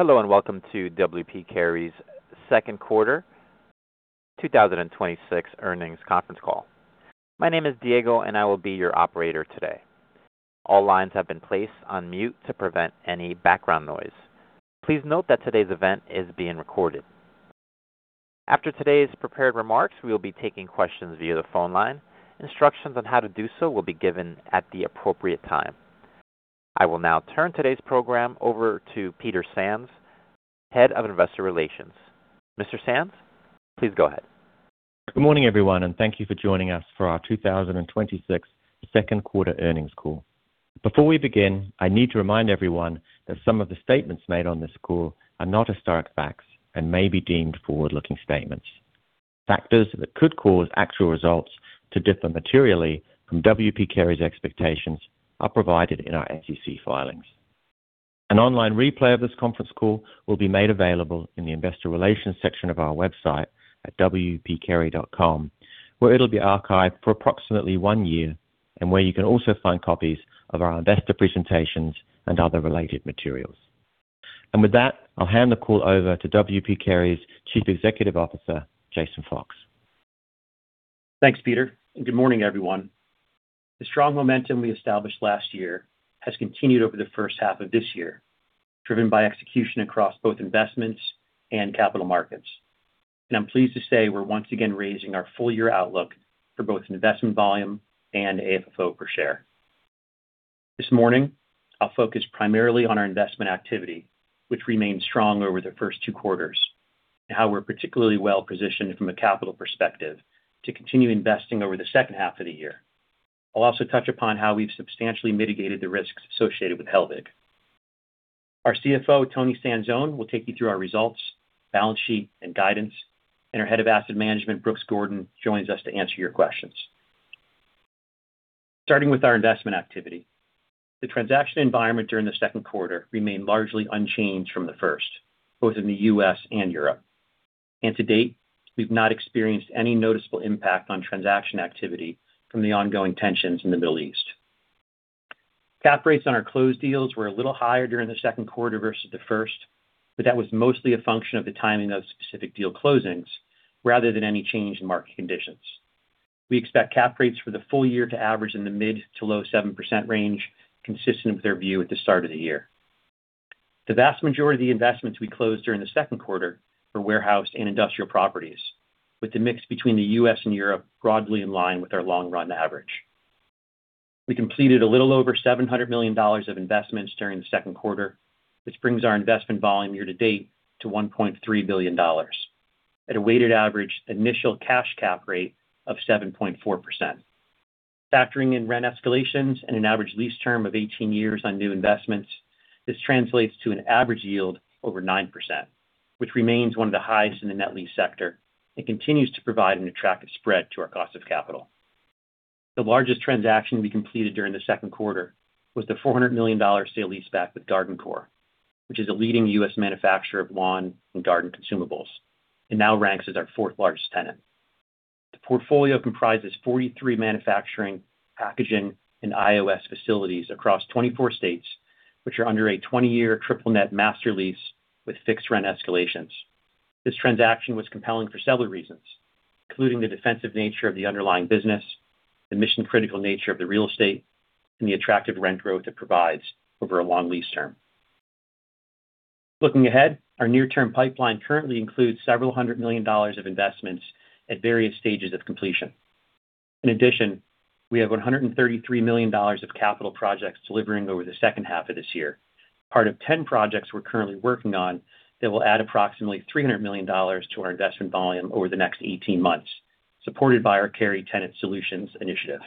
Hello, and welcome to W. P. Carey's second quarter 2026 earnings conference call. My name is Diego, and I will be your operator today. All lines have been placed on mute to prevent any background noise. Please note that today's event is being recorded. After today's prepared remarks, we will be taking questions via the phone line. Instructions on how to do so will be given at the appropriate time. I will now turn today's program over to Peter Sands, Head of Investor Relations. Mr. Sands, please go ahead. Good morning, everyone, and thank you for joining us for our 2026 second quarter earnings call. Before we begin, I need to remind everyone that some of the statements made on this call are not historic facts and may be deemed forward-looking statements. Factors that could cause actual results to differ materially from W. P. Carey's expectations are provided in our SEC filings. An online replay of this conference call will be made available in the investor relations section of our website at wpcarey.com, where it'll be archived for approximately one year and where you can also find copies of our investor presentations and other related materials. With that, I'll hand the call over to W. P. Carey's Chief Executive Officer, Jason Fox. Thanks, Peter, and good morning, everyone. The strong momentum we established last year has continued over the first half of this year, driven by execution across both investments and capital markets. I'm pleased to say we're once again raising our full-year outlook for both investment volume and AFFO per share. This morning, I'll focus primarily on our investment activity, which remains strong over the first two quarters, and how we're particularly well-positioned from a capital perspective to continue investing over the second half of the year. I'll also touch upon how we've substantially mitigated the risks associated with Hellweg. Our CFO, Toni Sanzone, will take you through our results, balance sheet, and guidance, and our Head of Asset Management, Brooks Gordon, joins us to answer your questions. Starting with our investment activity. The transaction environment during the second quarter remained largely unchanged from the first, both in the U.S. and Europe. To date, we've not experienced any noticeable impact on transaction activity from the ongoing tensions in the Middle East. Cap rates on our closed deals were a little higher during the second quarter versus the first, but that was mostly a function of the timing of specific deal closings rather than any change in market conditions. We expect cap rates for the full-year to average in the mid to low 7% range, consistent with our view at the start of the year. The vast majority of the investments we closed during the second quarter were warehouse and industrial properties, with the mix between the U.S. and Europe broadly in line with our long-run average. We completed a little over $700 million of investments during the second quarter, which brings our investment volume year-to-date to $1.3 billion at a weighted average initial cash cap rate of 7.4%. Factoring in rent escalations and an average lease term of 18 years on new investments, this translates to an average yield over 9%, which remains one of the highest in the net lease sector and continues to provide an attractive spread to our cost of capital. The largest transaction we completed during the second quarter was the $400 million sale leaseback with GardenCore, which is a leading U.S. manufacturer of lawn and garden consumables, and now ranks as our fourth largest tenant. The portfolio comprises 43 manufacturing, packaging, and IOS facilities across 24 states, which are under a 20-year triple net master lease with fixed rent escalations. This transaction was compelling for several reasons, including the defensive nature of the underlying business, the mission-critical nature of the real estate, and the attractive rent growth it provides over a long lease term. Looking ahead, our near-term pipeline currently includes several hundred million dollars of investments at various stages of completion. In addition, we have $133 million of capital projects delivering over the second half of this year, part of 10 projects we're currently working on that will add approximately $300 million to our investment volume over the next 18 months, supported by our Carey Tenant Solutions initiative.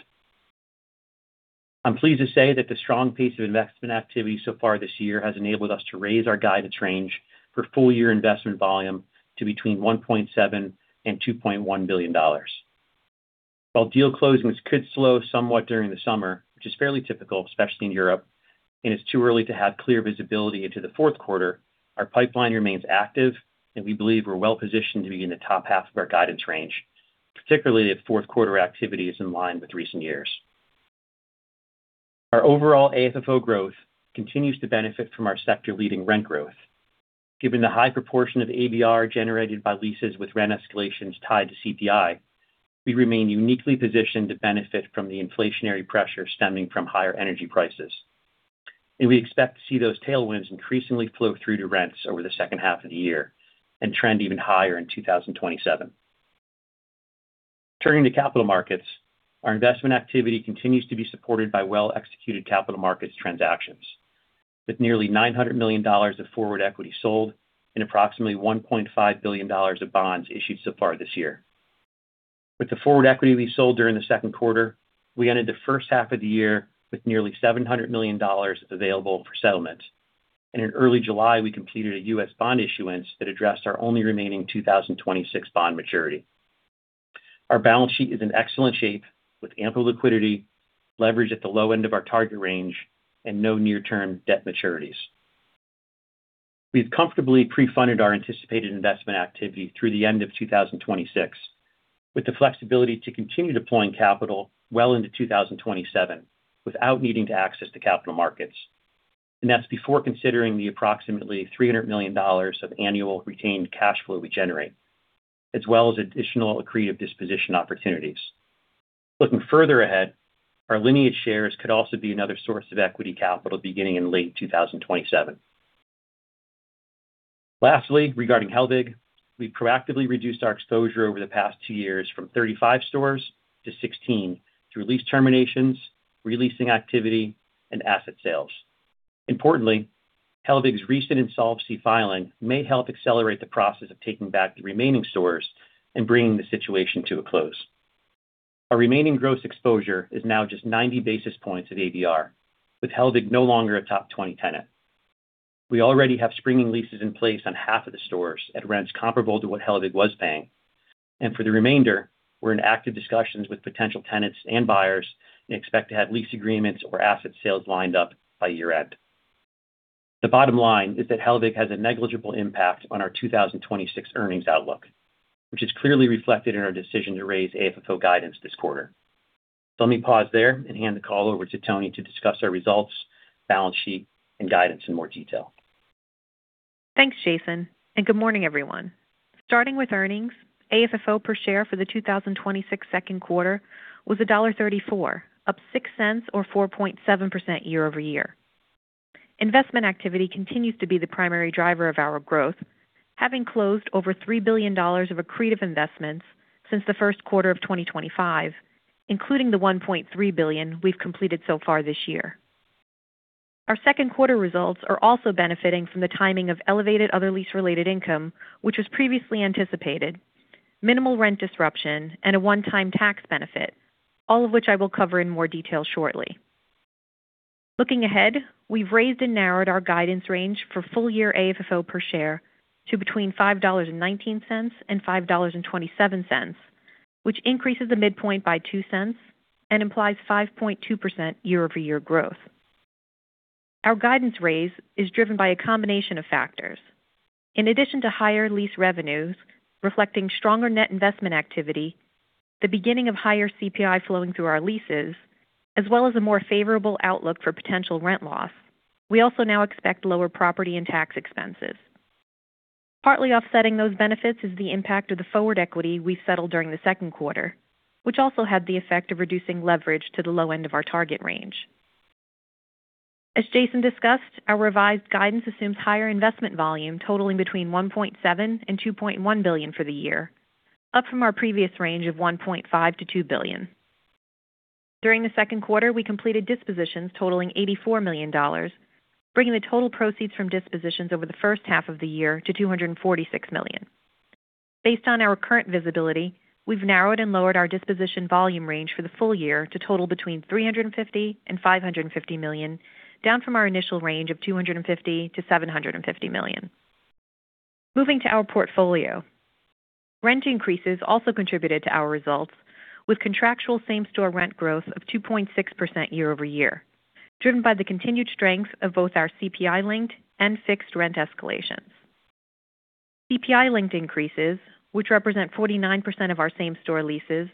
I'm pleased to say that the strong pace of investment activity so far this year has enabled us to raise our guidance range for full-year investment volume to between $1.7 billion and $2.1 billion. While deal closings could slow somewhat during the summer, which is fairly typical, especially in Europe, and it's too early to have clear visibility into the fourth quarter, our pipeline remains active, and we believe we're well-positioned to be in the top half of our guidance range, particularly if fourth quarter activity is in line with recent years. Our overall AFFO growth continues to benefit from our sector-leading rent growth. Given the high proportion of ABR generated by leases with rent escalations tied to CPI, we remain uniquely positioned to benefit from the inflationary pressure stemming from higher energy prices, and we expect to see those tailwinds increasingly flow through to rents over the second half of the year and trend even higher in 2027. Turning to capital markets, our investment activity continues to be supported by well-executed capital markets transactions. With nearly $900 million of forward equity sold and approximately $1.5 billion of bonds issued so far this year. With the forward equity we sold during the second quarter, we ended the first half of the year with nearly $700 million available for settlement. In early July, we completed a U.S. bond issuance that addressed our only remaining 2026 bond maturity. Our balance sheet is in excellent shape with ample liquidity, leverage at the low end of our target range, and no near-term debt maturities. We've comfortably pre-funded our anticipated investment activity through the end of 2026 with the flexibility to continue deploying capital well into 2027 without needing to access the capital markets. That's before considering the approximately $300 million of annual retained cash flow we generate, as well as additional accretive disposition opportunities. Looking further ahead, our Lineage shares could also be another source of equity capital beginning in late 2027. Lastly, regarding Hellweg, we've proactively reduced our exposure over the past two years from 35 stores to 16 through lease terminations, re-leasing activity, and asset sales. Importantly, Hellweg's recent insolvency filing may help accelerate the process of taking back the remaining stores and bringing the situation to a close. Our remaining gross exposure is now just 90 basis points of ABR, with Hellweg no longer a top 20 tenant. We already have springing leases in place on half of the stores at rents comparable to what Hellweg was paying. For the remainder, we're in active discussions with potential tenants and buyers and expect to have lease agreements or asset sales lined up by year-end. The bottom line is that Hellweg has a negligible impact on our 2026 earnings outlook, which is clearly reflected in our decision to raise AFFO guidance this quarter. Let me pause there and hand the call over to Toni to discuss our results, balance sheet, and guidance in more detail. Thanks, Jason, good morning, everyone. Starting with earnings, AFFO per share for the 2026 second quarter was $1.34, up $0.06 or 4.7% year-over-year. Investment activity continues to be the primary driver of our growth, having closed over $3 billion of accretive investments since the first quarter of 2025, including the $1.3 billion we've completed so far this year. Our second quarter results are also benefiting from the timing of elevated other lease related income, which was previously anticipated, minimal rent disruption, and a one-time tax benefit, all of which I will cover in more detail shortly. Looking ahead, we've raised and narrowed our guidance range for full-year AFFO per share to between $5.19 and $5.27, which increases the midpoint by $0.02 and implies 5.2% year-over-year growth. Our guidance raise is driven by a combination of factors. In addition to higher lease revenues reflecting stronger net investment activity, the beginning of higher CPI flowing through our leases, as well as a more favorable outlook for potential rent loss, we also now expect lower property and tax expenses. Partly offsetting those benefits is the impact of the forward equity we settled during the second quarter, which also had the effect of reducing leverage to the low end of our target range. As Jason discussed, our revised guidance assumes higher investment volume totaling between $1.7 billion and $2.1 billion for the year, up from our previous range of $1.5 billion-$2 billion. During the second quarter, we completed dispositions totaling $84 million, bringing the total proceeds from dispositions over the first half of the year to $246 million. Based on our current visibility, we've narrowed and lowered our disposition volume range for the full-year to total between $350 million-$550 million, down from our initial range of $250 million-$750 million. Moving to our portfolio. Rent increases also contributed to our results with contractual same-store rent growth of 2.6% year-over-year, driven by the continued strength of both our CPI linked and fixed rent escalations. CPI linked increases, which represent 49% of our same-store leases,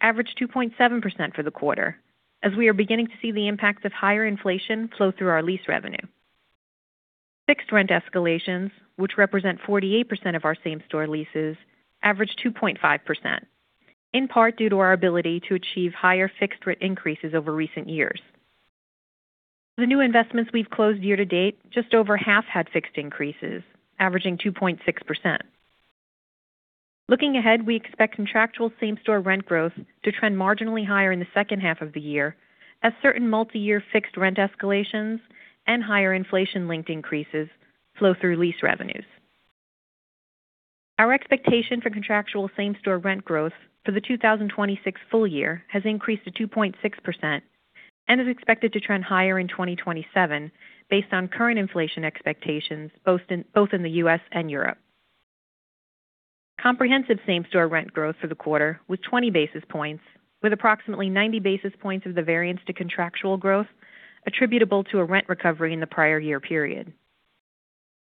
averaged 2.7% for the quarter as we are beginning to see the impacts of higher inflation flow through our lease revenue. Fixed rent escalations, which represent 48% of our same-store leases, averaged 2.5%, in part due to our ability to achieve higher fixed rent increases over recent years. The new investments we've closed year-to-date, just over half had fixed increases, averaging 2.6%. Looking ahead, we expect contractual same-store rent growth to trend marginally higher in the second half of the year as certain multi-year fixed rent escalations and higher inflation linked increases flow through lease revenues. Our expectation for contractual same-store rent growth for the 2026 full-year has increased to 2.6% and is expected to trend higher in 2027 based on current inflation expectations both in the U.S. and Europe. Comprehensive same-store rent growth for the quarter was 20 basis points with approximately 90 basis points of the variance to contractual growth attributable to a rent recovery in the prior year period.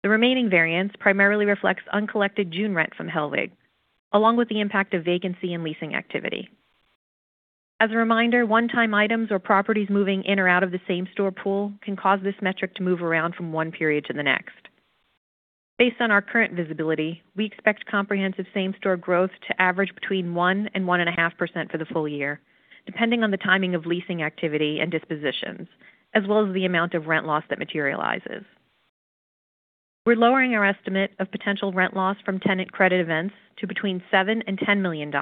The remaining variance primarily reflects uncollected June rent from Hellweg, along with the impact of vacancy and leasing activity. As a reminder, one-time items or properties moving in or out of the same-store pool can cause this metric to move around from one period to the next. Based on our current visibility, we expect comprehensive same-store growth to average between 1%-1.5% for the full-year, depending on the timing of leasing activity and dispositions, as well as the amount of rent loss that materializes. We're lowering our estimate of potential rent loss from tenant credit events to between $7 million-$10 million,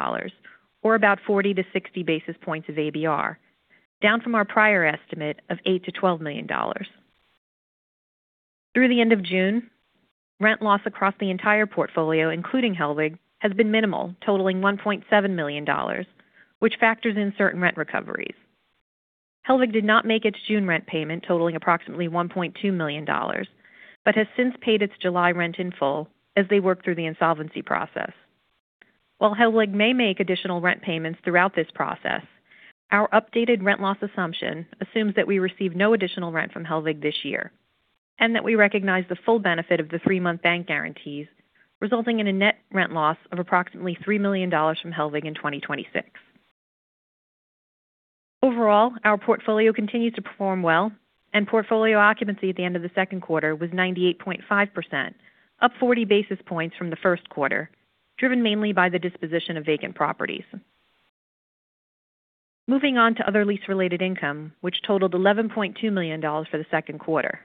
or about 40 basis points-60 basis points of ABR, down from our prior estimate of $8 million-$12 million. Through the end of June, rent loss across the entire portfolio, including Hellweg, has been minimal, totaling $1.7 million, which factors in certain rent recoveries. Hellweg did not make its June rent payment totaling approximately $1.2 million, has since paid its July rent in full as they work through the insolvency process. While Hellweg may make additional rent payments throughout this process, our updated rent loss assumption assumes that we receive no additional rent from Hellweg this year That we recognize the full benefit of the three-month bank guarantees, resulting in a net rent loss of approximately $3 million from Hellweg in 2026. Overall, our portfolio continues to perform well, and portfolio occupancy at the end of the second quarter was 98.5%, up 40 basis points from the first quarter, driven mainly by the disposition of vacant properties. Moving on to other lease-related income, which totaled $11.2 million for the second quarter.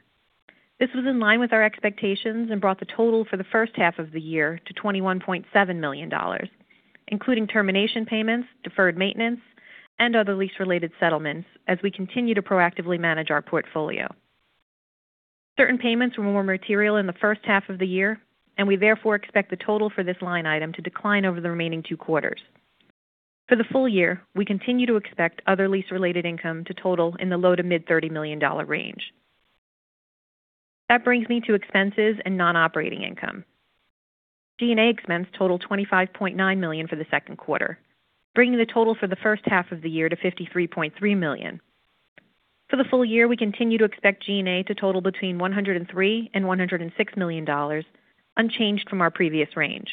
This was in line with our expectations and brought the total for the first half of the year to $21.7 million, including termination payments, deferred maintenance, and other lease-related settlements as we continue to proactively manage our portfolio. Certain payments were more material in the first half of the year. We therefore expect the total for this line item to decline over the remaining two quarters. For the full-year, we continue to expect other lease-related income to total in the low to mid $30 million range. That brings me to expenses and non-operating income. G&A expense totaled $25.9 million for the second quarter, bringing the total for the first half of the year to $53.3 million. For the full-year, we continue to expect G&A to total between $103 million and $106 million, unchanged from our previous range.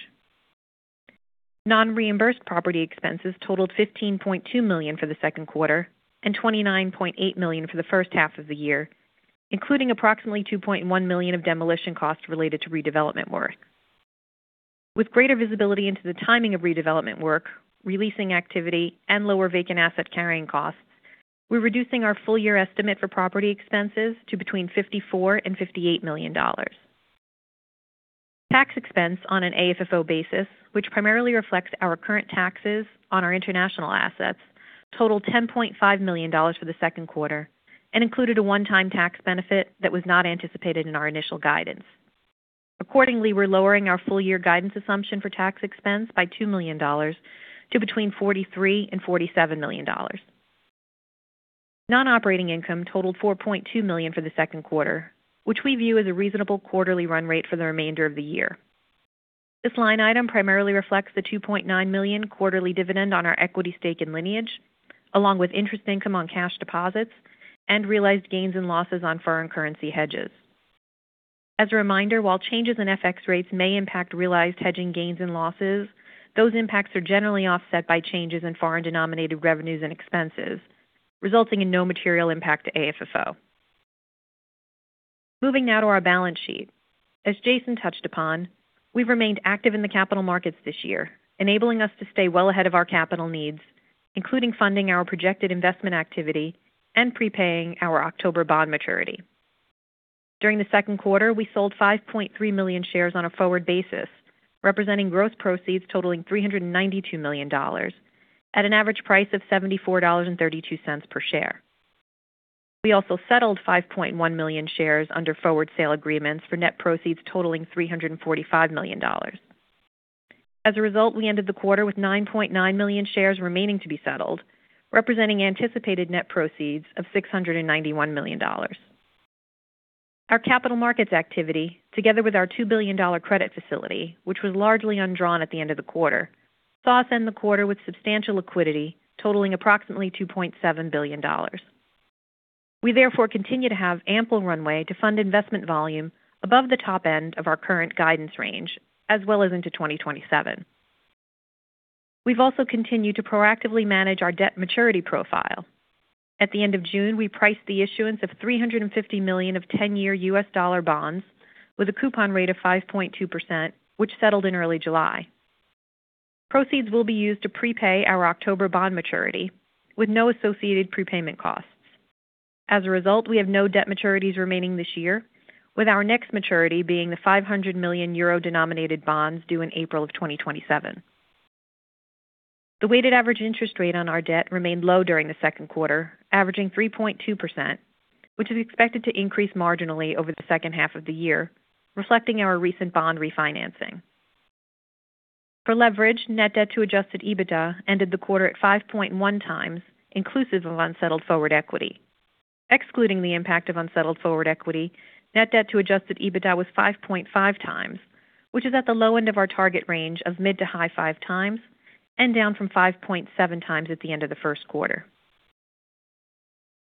Non-reimbursed property expenses totaled $15.2 million for the second quarter and $29.8 million for the first half of the year, including approximately $2.1 million of demolition costs related to redevelopment work. With greater visibility into the timing of redevelopment work, re-leasing activity, and lower vacant asset carrying costs, we're reducing our full-year estimate for property expenses to between $54 million and $58 million. Tax expense on an AFFO basis, which primarily reflects our current taxes on our international assets, totaled $10.5 million for the second quarter and included a one-time tax benefit that was not anticipated in our initial guidance. Accordingly, we're lowering our full-year guidance assumption for tax expense by $2 million to between $43 million and $47 million. This line item primarily reflects the $2.9 million quarterly dividend on our equity stake in Lineage, along with interest income on cash deposits and realized gains and losses on foreign currency hedges. As a reminder, while changes in FX rates may impact realized hedging gains and losses, those impacts are generally offset by changes in foreign denominated revenues and expenses, resulting in no material impact to AFFO. Moving now to our balance sheet. As Jason touched upon, we've remained active in the capital markets this year, enabling us to stay well ahead of our capital needs, including funding our projected investment activity and prepaying our October bond maturity. During the second quarter, we sold 5.3 million shares on a forward basis, representing gross proceeds totaling $392 million at an average price of $74.32 per share. We also settled 5.1 million shares under forward sale agreements for net proceeds totaling $345 million. As a result, we ended the quarter with 9.9 million shares remaining to be settled, representing anticipated net proceeds of $691 million. Our capital markets activity, together with our $2 billion credit facility, which was largely undrawn at the end of the quarter, saw us end the quarter with substantial liquidity totaling approximately $2.7 billion. We therefore continue to have ample runway to fund investment volume above the top end of our current guidance range, as well as into 2027. We've also continued to proactively manage our debt maturity profile. At the end of June, we priced the issuance of $350 million of 10-year U.S. dollar bonds with a coupon rate of 5.2%, which settled in early July. Proceeds will be used to prepay our October bond maturity with no associated prepayment costs. As a result, we have no debt maturities remaining this year, with our next maturity being the 500 million euro denominated bonds due in April of 2027. The weighted average interest rate on our debt remained low during the second quarter, averaging 3.2%, which is expected to increase marginally over the second half of the year, reflecting our recent bond refinancing. For leverage, net debt to adjusted EBITDA ended the quarter at 5.1x, inclusive of unsettled forward equity. Excluding the impact of unsettled forward equity, net debt to adjusted EBITDA was 5.5x, which is at the low end of our target range of mid to high 5x and down from 5.7x at the end of the first quarter.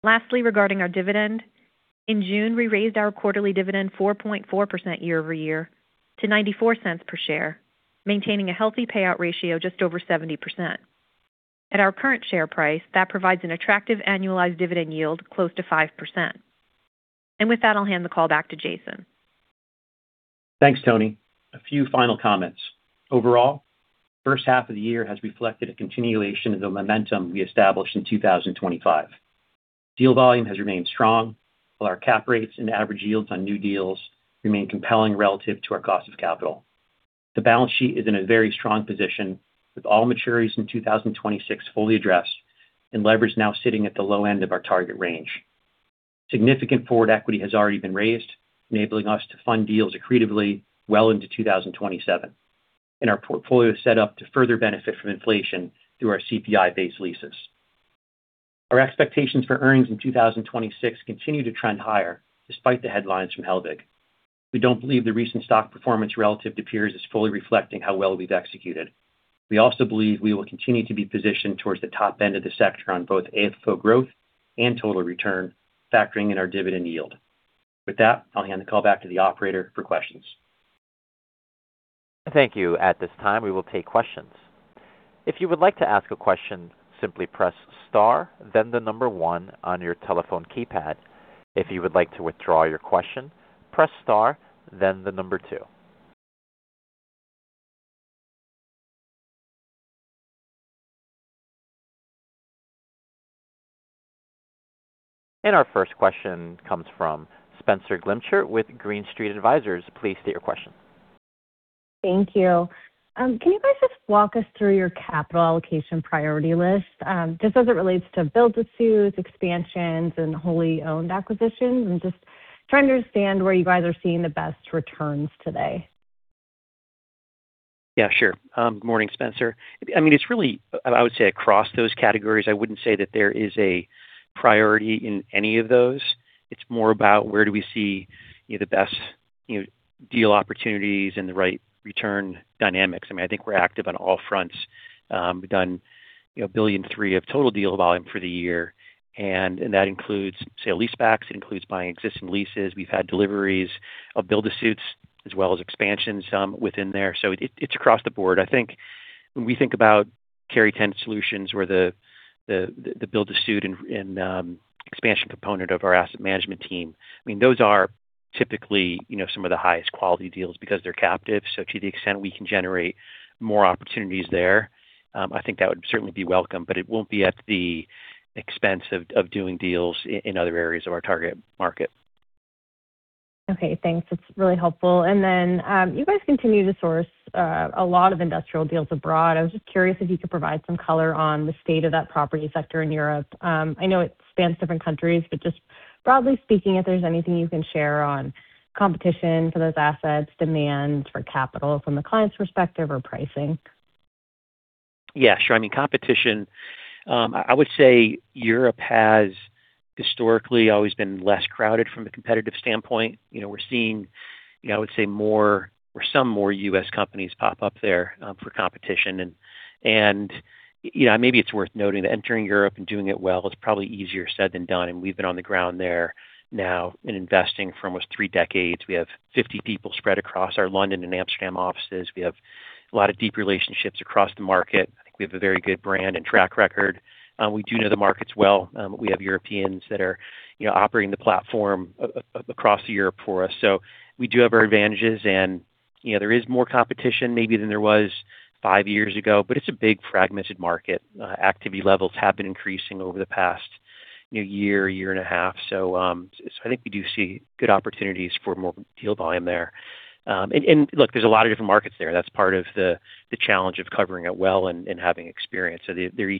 Lastly, regarding our dividend, in June, we raised our quarterly dividend 4.4% year-over-year to $0.94 per share, maintaining a healthy payout ratio just over 70%. At our current share price, that provides an attractive annualized dividend yield close to 5%. With that, I'll hand the call back to Jason. Thanks, Toni. A few final comments. Overall, the first half of the year has reflected a continuation of the momentum we established in 2025. Deal volume has remained strong, while our cap rates and average yields on new deals remain compelling relative to our cost of capital. The balance sheet is in a very strong position, with all maturities in 2026 fully addressed and leverage now sitting at the low end of our target range. Significant forward equity has already been raised, enabling us to fund deals accretively well into 2027, and our portfolio is set up to further benefit from inflation through our CPI-based leases. Our expectations for earnings in 2026 continue to trend higher despite the headlines from Hellweg. We don't believe the recent stock performance relative to peers is fully reflecting how well we've executed. We also believe we will continue to be positioned towards the top end of the sector on both AFFO growth and total return, factoring in our dividend yield. With that, I'll hand the call back to the operator for questions. Thank you. At this time, we will take questions. If you would like to ask a question, simply press star, then the number 1 on your telephone keypad. If you would like to withdraw your question, press star, then the number 2. Our first question comes from Spenser Glimcher with Green Street. Please state your question. Thank you. Can you guys just walk us through your capital allocation priority list? Just as it relates to build-to-suits, expansions, and wholly owned acquisitions, just trying to understand where you guys are seeing the best returns today. Yeah, sure. Good morning, Spenser. I would say across those categories, I wouldn't say that there is a priority in any of those. It's more about where do we see the best deal opportunities and the right return dynamics. I think we're active on all fronts. We've done $1.3 billion of total deal volume for the year, that includes sale leasebacks. It includes buying existing leases. We've had deliveries of build-to-suits as well as expansions within there. It's across the board. I think when we think about Carey Tenant Solutions, where the build-to-suit and expansion component of our asset management team. Those are typically some of the highest quality deals because they're captive. To the extent we can generate more opportunities there, I think that would certainly be welcome, but it won't be at the expense of doing deals in other areas of our target market. Okay, thanks. That's really helpful. You guys continue to source a lot of industrial deals abroad. I was just curious if you could provide some color on the state of that property sector in Europe. I know it spans different countries, but just broadly speaking, if there's anything you can share on competition for those assets, demand for capital from the client's perspective, or pricing. Yeah, sure. Competition, I would say Europe has historically always been less crowded from a competitive standpoint. We're seeing, I would say more or some more U.S. companies pop up there for competition. Maybe it's worth noting that entering Europe and doing it well is probably easier said than done, and we've been on the ground there now and investing for almost three decades. We have 50 people spread across our London and Amsterdam offices. We have a lot of deep relationships across the market. I think we have a very good brand and track record. We do know the markets well. We have Europeans that are operating the platform across Europe for us. We do have our advantages, and there is more competition maybe than there was five years ago. It's a big fragmented market. Activity levels have been increasing over the past year and a half. I think we do see good opportunities for more deal volume there. Look, there's a lot of different markets there. That's part of the challenge of covering it well and having experience. They're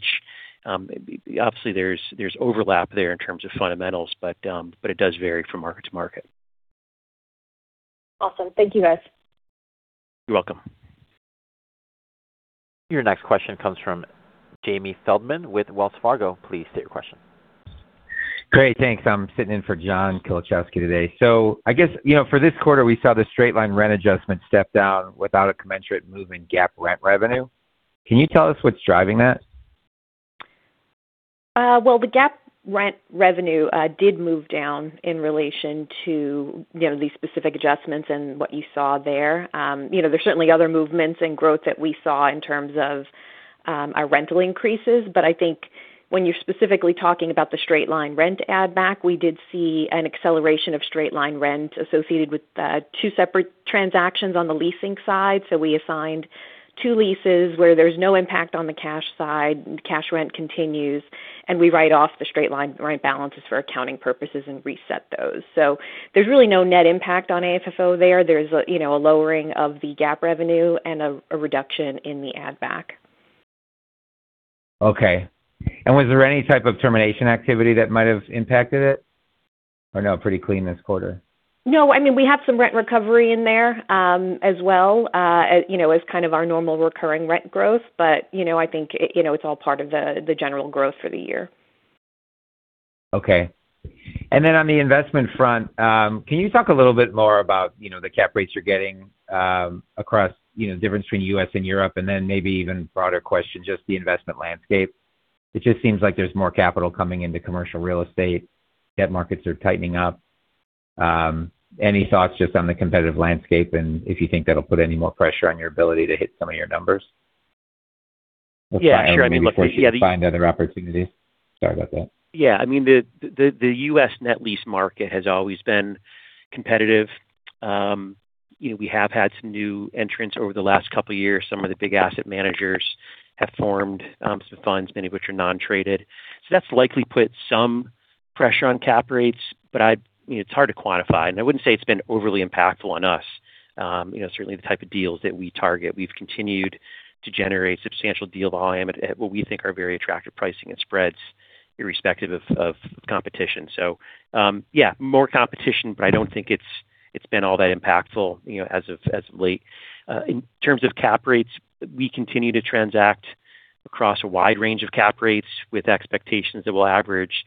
obviously there's overlap there in terms of fundamentals, but it does vary from market to market. Awesome. Thank you, guys. You're welcome. Your next question comes from Jamie Feldman with Wells Fargo. Please state your question. Great. Thanks. I'm sitting in for John Kilichowski today. I guess, for this quarter, we saw the straight-line rent adjustment step down without a commensurate move in GAAP rent revenue. Can you tell us what's driving that? Well, the GAAP rent revenue did move down in relation to these specific adjustments and what you saw there. There's certainly other movements and growth that we saw in terms of our rental increases. I think when you're specifically talking about the straight-line rent add back, we did see an acceleration of straight-line rent associated with two separate transactions on the leasing side. We assigned two leases where there's no impact on the cash side. The cash rent continues, and we write off the straight-line rent balances for accounting purposes and reset those. There's really no net impact on AFFO there. There's a lowering of the GAAP revenue and a reduction in the add back. Okay. Was there any type of termination activity that might have impacted it, or no, pretty clean this quarter? No. We have some rent recovery in there, as well, as kind of our normal recurring rent growth. I think it's all part of the general growth for the year. Okay. On the investment front, can you talk a little bit more about the cap rates you're getting across, the difference between U.S. and Europe, and then maybe broader question, just the investment landscape. It just seems like there's more capital coming into commercial real estate. Debt markets are tightening up. Any thoughts just on the competitive landscape and if you think that'll put any more pressure on your ability to hit some of your numbers? Yeah, sure. Maybe force you to find other opportunities. Sorry about that. Yeah. The U.S. net lease market has always been competitive. We have had some new entrants over the last couple of years. Some of the big asset managers have formed some funds, many of which are non-traded. That's likely put some pressure on cap rates. It's hard to quantify, and I wouldn't say it's been overly impactful on us. Certainly the type of deals that we target, we've continued to generate substantial deal volume at what we think are very attractive pricing and spreads irrespective of competition. Yeah, more competition, but I don't think it's been all that impactful as of late. In terms of cap rates, we continue to transact across a wide range of cap rates with expectations that we'll average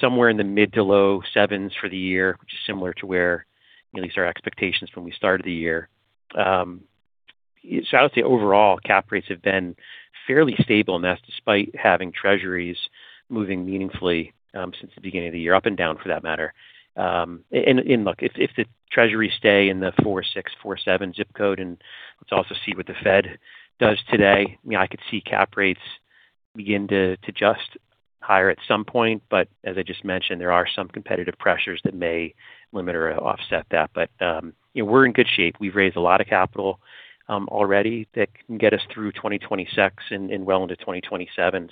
somewhere in the mid to low 7s for the year, which is similar to where at least our expectations when we started the year. I would say overall cap rates have been fairly stable, That's despite having Treasuries moving meaningfully since the beginning of the year, up and down for that matter. Look, if the Treasuries stay in the 4.6, 4.7 zip code, and let's also see what the Fed does today, I could see cap rates begin to adjust higher at some point. As I just mentioned, there are some competitive pressures that may limit or offset that. We're in good shape. We've raised a lot of capital already that can get us through 2026 and well into 2027.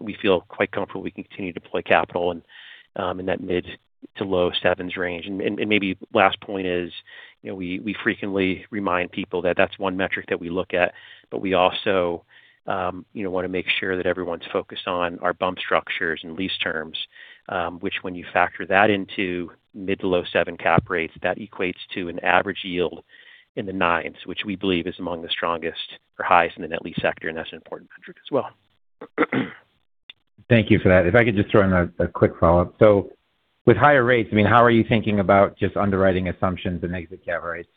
We feel quite comfortable we can continue to deploy capital in that mid to low 7s range. Maybe last point is, we frequently remind people that that's one metric that we look at, We also want to make sure that everyone's focused on our bump structures and lease terms, which when you factor that into mid to low 7s cap rates, that equates to an average yield in the 9s, which we believe is among the strongest or highest in the net lease sector, That's an important metric as well. Thank you for that. If I could just throw in a quick follow-up. With higher rates, how are you thinking about just underwriting assumptions and exit cap rates?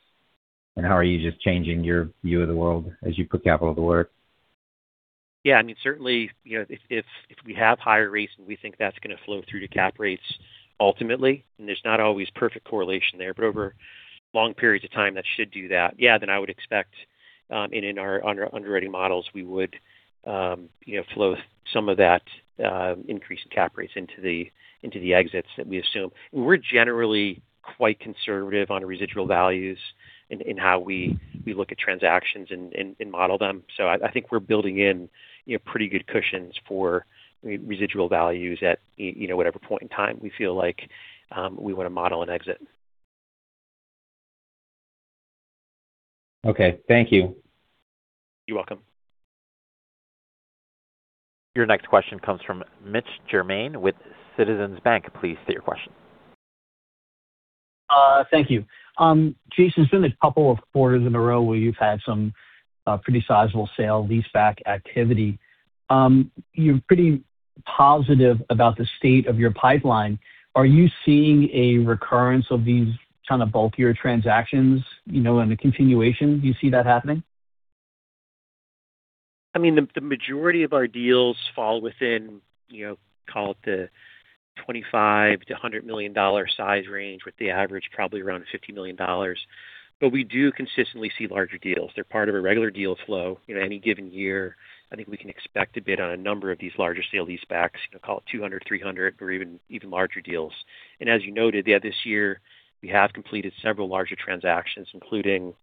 How are you just changing your view of the world as you put capital to work? Yeah, certainly, if we have higher rates, we think that's going to flow through to cap rates ultimately, there's not always perfect correlation there, over long periods of time, that should do that. Yeah, I would expect in our underwriting models, we would flow some of that increase in cap rates into the exits that we assume. We're generally quite conservative on residual values in how we look at transactions and model them. I think we're building in pretty good cushions for residual values at whatever point in time we feel like we want to model an exit. Okay. Thank you. You're welcome. Your next question comes from Mitch Germain with Citizens Bank. Please state your question. Thank you. Jason, it's been a couple of quarters in a row where you've had some pretty sizable sale leaseback activity. You're pretty positive about the state of your pipeline. Are you seeing a recurrence of these kind of bulkier transactions and a continuation? Do you see that happening? The majority of our deals fall within, call it the $25 million-$100 million size range, with the average probably around $50 million. We do consistently see larger deals. They're part of a regular deal flow any given year. I think we can expect to bid on a number of these larger sale leasebacks, call it $200 million, $300 million, or even larger deals. As you noted, yeah, this year we have completed several larger transactions, including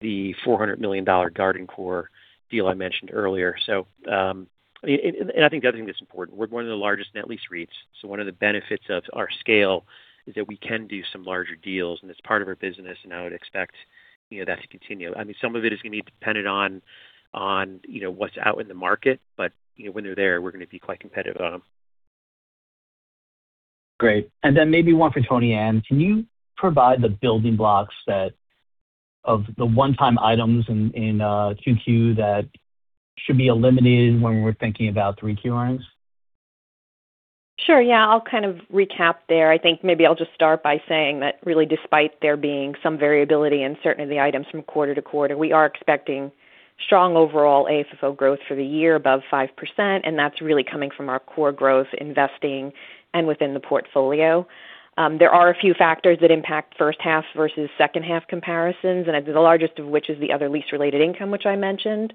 the $400 million GardenCore deal I mentioned earlier. I think the other thing that's important, we're one of the largest net lease REITs. One of the benefits of our scale is that we can do some larger deals, and it's part of our business, and I would expect that to continue. Some of it is going to be dependent on what's out in the market. When they're there, we're going to be quite competitive on them. Great. Maybe one for Toni Ann. Can you provide the building blocks of the one-time items in 2Q that should be eliminated when we're thinking about 3Q earnings? Sure. Yeah. I'll recap there. I'll start by saying that despite there being some variability in the items from quarter to quarter, we are expecting strong overall AFFO growth for the year above 5%. That's coming from our core growth investing and within the portfolio. There are a few factors that impact first half versus second half comparisons. The largest of which is the other lease related income, which I mentioned.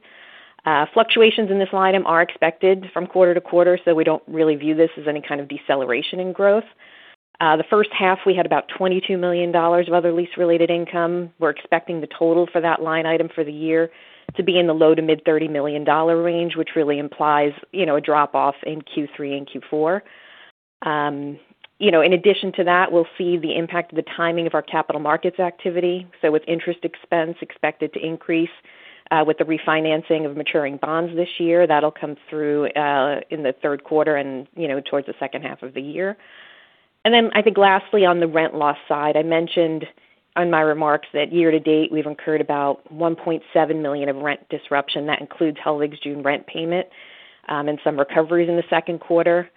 Fluctuations in this line item are expected from quarter to quarter. We don't view this as any kind of deceleration in growth. The first half we had about $22 million of other lease related income. We're expecting the total for that line item for the year to be in the low to mid $30 million range, which implies a drop off in Q3 and Q4. In addition to that, we'll see the impact of the timing of our capital markets activity. With interest expense expected to increase with the refinancing of maturing bonds this year, that'll come through in the third quarter and towards the second half of the year. Lastly, on the rent loss side, I mentioned on my remarks that year-to-date we've incurred about $1.7 million of rent disruption. That includes Hellweg's June rent payment and some recoveries in the second quarter.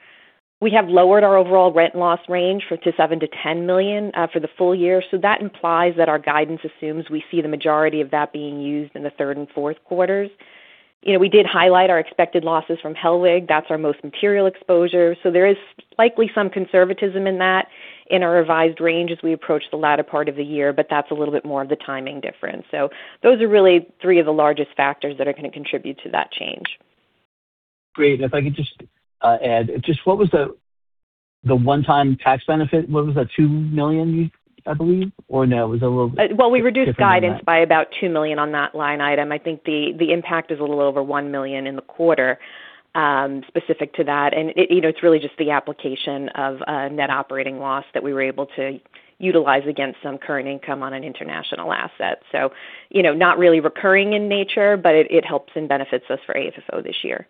We have lowered our overall rent loss range to $7 million-$10 million for the full-year. That implies that our guidance assumes we see the majority of that being used in the third and fourth quarters. We did highlight our expected losses from Hellweg. That's our most material exposure. There is likely some conservatism in that in our revised range as we approach the latter part of the year. That's a bit more of the timing difference. Those are three of the largest factors that are going to contribute to that change. Great. If I could just add, just what was the one-time tax benefit? What was that, $2 million, I believe? Or no, it was a little different than that. Well, we reduced guidance by about $2 million on that line item. I think the impact is a little over $1 million in the quarter specific to that. It's really just the application of net operating loss that we were able to utilize against some current income on an international asset. Not really recurring in nature, but it helps and benefits us for AFFO this year.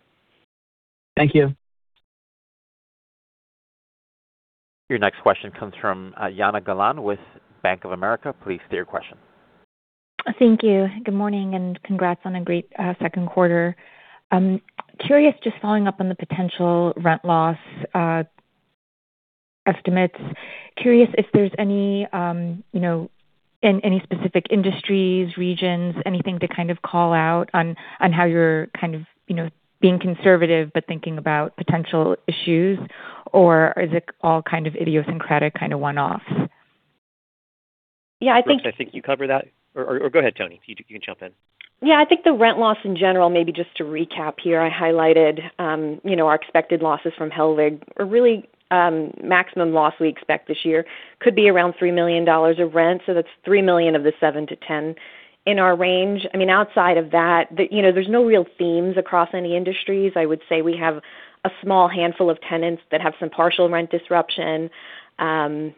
Thank you. Your next question comes from Jana Galan with Bank of America. Please state your question. Thank you. Good morning. Congrats on a great second quarter. Curious, just following up on the potential rent loss estimates. Curious if there's any specific industries, regions, anything to call out on how you're being conservative but thinking about potential issues or is it all idiosyncratic one-offs? Yeah, I think- Brooks, I think you cover that. Go ahead, Toni. You can jump in. Yeah, I think the rent loss in general, maybe just to recap here, I highlighted our expected losses from Hellweg are really maximum loss we expect this year could be around $3 million of rent. That's $3 million of the $7 million-$10 million in our range. Outside of that, there's no real themes across any industries. I would say we have a small handful of tenants that have some partial rent disruption. I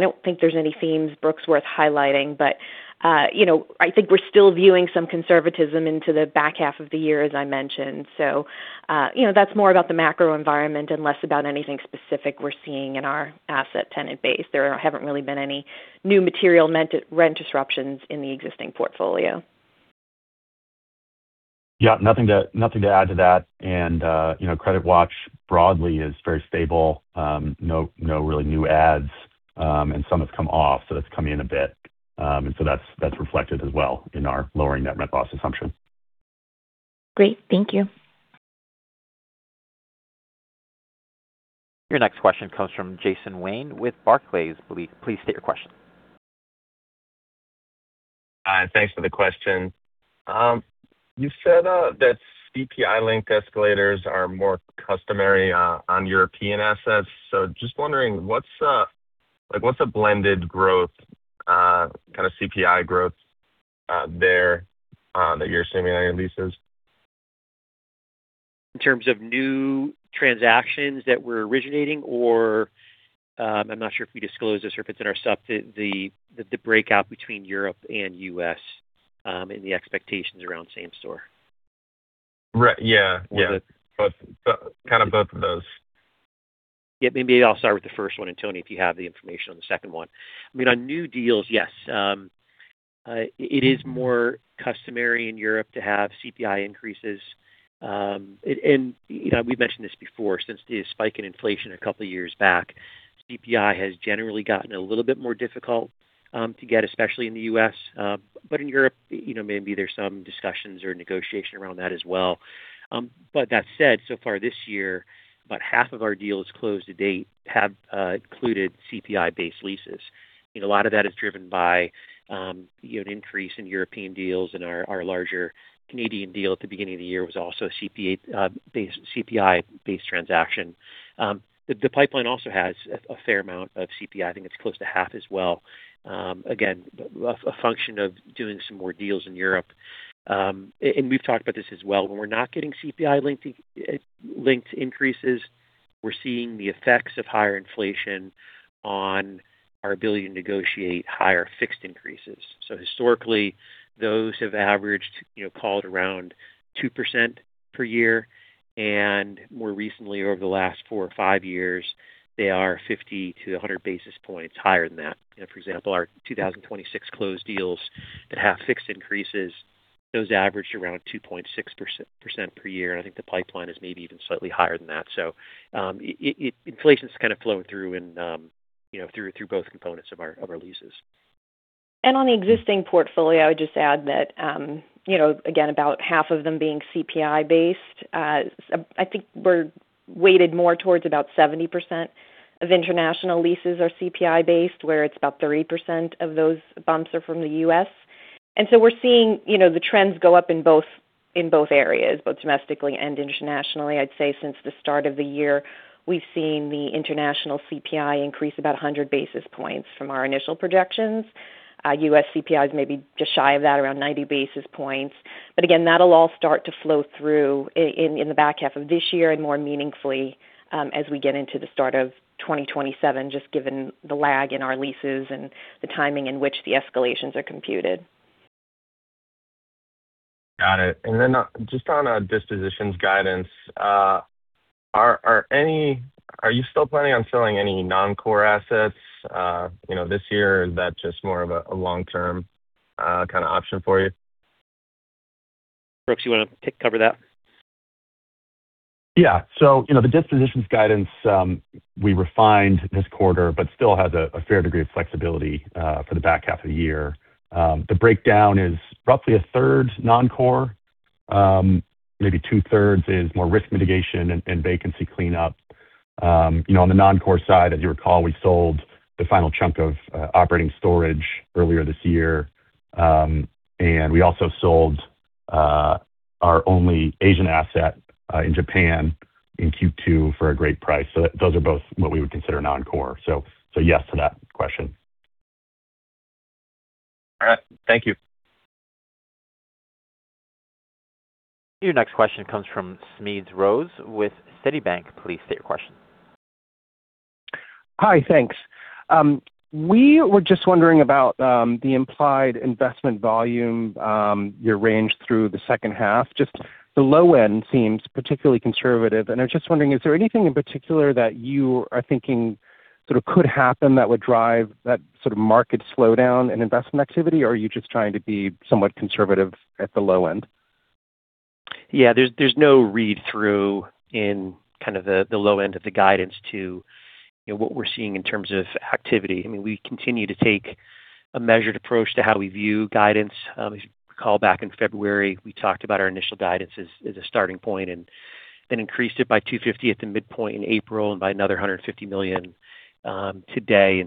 don't think there's any themes, Brooks, worth highlighting, but I think we're still viewing some conservatism into the back half of the year, as I mentioned. That's more about the macro environment and less about anything specific we're seeing in our asset tenant base. There haven't really been any new material rent disruptions in the existing portfolio. Yeah, nothing to add to that. CreditWatch broadly is very stable. No really new adds, some have come off, so that's come in a bit. That's reflected as well in our lowering net rent loss assumption. Great. Thank you. Your next question comes from Jason Wayne with Barclays. Please state your question. Hi, thanks for the question. You said that CPI-linked escalators are more customary on European assets. Just wondering what's a blended growth, kind of CPI growth there that you're assuming on your leases? In terms of new transactions that we're originating, or I'm not sure if we disclose this or if it's in our supp, the breakout between Europe and U.S., and the expectations around same-store. Right. Yeah. Was it Kind of both of those. Maybe I'll start with the first one, and Toni, if you have the information on the second one. On new deals, yes. It is more customary in Europe to have CPI increases. We've mentioned this before, since the spike in inflation a couple of years back, CPI has generally gotten a little bit more difficult to get, especially in the U.S. In Europe, maybe there's some discussions or negotiation around that as well. That said, so far this year, about half of our deals closed to date have included CPI-based leases. A lot of that is driven by an increase in European deals, and our larger Canadian deal at the beginning of the year was also a CPI-based transaction. The pipeline also has a fair amount of CPI. I think it's close to half as well. Again, a function of doing some more deals in Europe. We've talked about this as well. When we're not getting CPI-linked increases, we're seeing the effects of higher inflation on our ability to negotiate higher fixed increases. Historically, those have averaged, called around 2% per year, and more recently over the last four or five years, they are 50 to 100 basis points higher than that. For example, our 2026 closed deals that have fixed increases, those averaged around 2.6% per year. I think the pipeline is maybe even slightly higher than that. Inflation's kind of flowing through both components of our leases. On the existing portfolio, I would just add that again, about half of them being CPI based. I think we're weighted more towards about 70% of international leases are CPI based, where it's about 30% of those bumps are from the U.S. We're seeing the trends go up in both areas, both domestically and internationally. I'd say since the start of the year, we've seen the international CPI increase about 100 basis points from our initial projections. U.S. CPI is maybe just shy of that, around 90 basis points. Again, that'll all start to flow through in the back half of this year and more meaningfully as we get into the start of 2027, just given the lag in our leases and the timing in which the escalations are computed. Got it. Just on a dispositions guidance, are you still planning on selling any non-core assets this year? Is that just more of a long-term kind of option for you? Brooks, you want to cover that? Yeah. The dispositions guidance we refined this quarter but still has a fair degree of flexibility for the back half of the year. The breakdown is roughly a third non-core. Maybe two-thirds is more risk mitigation and vacancy cleanup. On the non-core side, as you recall, we sold the final chunk of operating storage earlier this year. We also sold our only Asian asset in Japan in Q2 for a great price. Those are both what we would consider non-core. Yes to that question. All right. Thank you. Your next question comes from Smedes Rose with Citibank. Please state your question. Hi. Thanks. We were just wondering about the implied investment volume, your range through the second half. The low end seems particularly conservative, and I was just wondering, is there anything in particular that you are thinking sort of could happen that would drive that sort of market slowdown in investment activity, or are you just trying to be somewhat conservative at the low end? Yeah. There's no read through in the low end of the guidance to what we're seeing in terms of activity. We continue to take a measured approach to how we view guidance. As you recall, back in February, we talked about our initial guidance as a starting point and then increased it by $250 at the midpoint in April and by another $150 million today.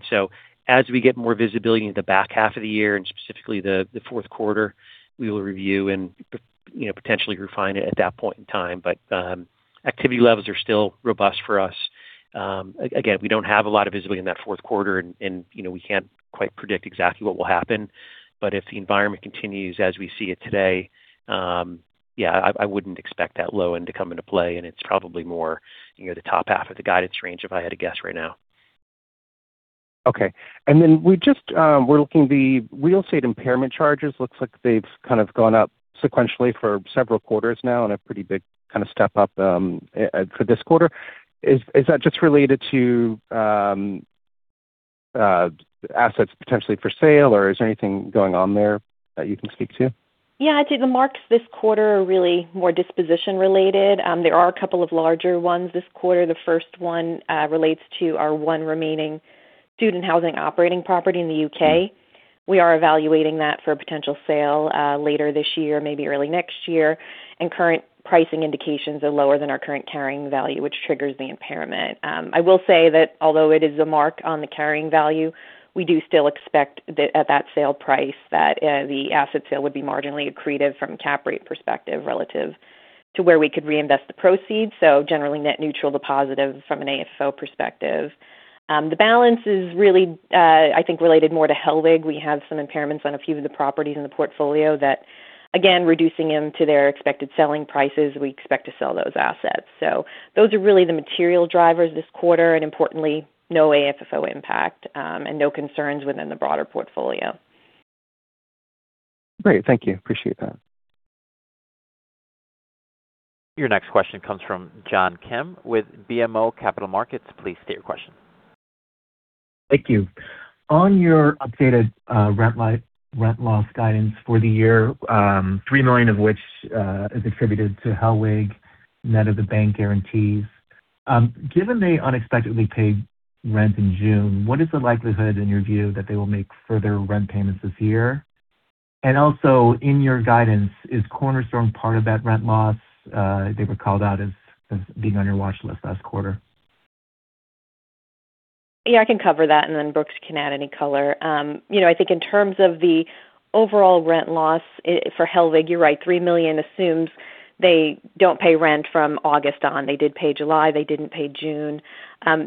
As we get more visibility into the back half of the year and specifically the fourth quarter, we will review and potentially refine it at that point in time. Activity levels are still robust for us. Again, we don't have a lot of visibility in that fourth quarter and we can't quite predict exactly what will happen. If the environment continues as we see it today, I wouldn't expect that low end to come into play, and it's probably more the top half of the guidance range if I had to guess right now. Okay. We're looking at the real estate impairment charges. Looks like they've gone up sequentially for several quarters now and a pretty big step up for this quarter. Is that just related to assets potentially for sale, or is there anything going on there that you can speak to? Yeah. I'd say the marks this quarter are really more disposition related. There are a couple of larger ones this quarter. The first one relates to our one remaining student housing operating property in the U.K. Current pricing indications are lower than our current carrying value, which triggers the impairment. I will say that although it is a mark on the carrying value, we do still expect at that sale price that the asset sale would be marginally accretive from a cap rate perspective relative to where we could reinvest the proceeds. Generally net neutral to positive from an AFFO perspective. The balance is really, I think, related more to Hellweg. We have some impairments on a few of the properties in the portfolio that, again, reducing them to their expected selling prices, we expect to sell those assets. Those are really the material drivers this quarter. Importantly, no AFFO impact. No concerns within the broader portfolio. Great. Thank you. Appreciate that. Your next question comes from John Kim with BMO Capital Markets. Please state your question. Thank you. On your updated rent loss guidance for the year, $3 million of which is attributed to Hellweg net of the bank guarantees. Given they unexpectedly paid rent in June, what is the likelihood, in your view, that they will make further rent payments this year? Also in your guidance, is Cornerstone part of that rent loss? They were called out as being on your watch list last quarter. Yeah, I can cover that, and then Brooks can add any color. I think in terms of the overall rent loss for Hellweg, you're right, $3 million assumes they don't pay rent from August on. They did pay July. They didn't pay June.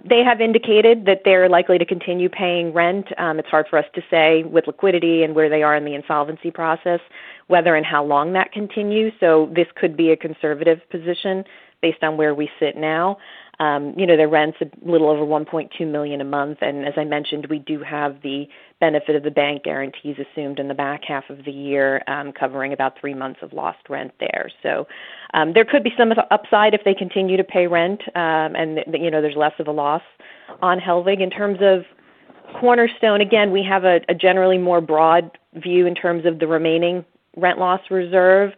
They have indicated that they're likely to continue paying rent. It's hard for us to say with liquidity and where they are in the insolvency process, whether and how long that continues. This could be a conservative position based on where we sit now. Their rent's a little over $1.2 million a month, and as I mentioned, we do have the benefit of the bank guarantees assumed in the back half of the year, covering about three months of lost rent there. There could be some upside if they continue to pay rent and there's less of a loss on Hellweg. In terms of Cornerstone, again, we have a generally more broad view in terms of the remaining rent loss reserve.